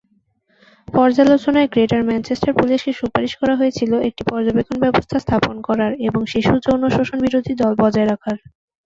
পর্যালোচনায় Greater Manchester পুলিশকে সুপারিশ করা হয়েছিল, একটি পর্যবেক্ষণ ব্যবস্থা স্থাপন করার এবং শিশু যৌন শোষণ বিরোধী দল বজায় রাখার।